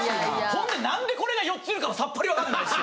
ほんで何でこれが４ついるかもさっぱりわかんないし。